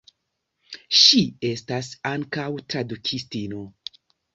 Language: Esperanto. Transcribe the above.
Ŝi estas ankaŭ tradukistino.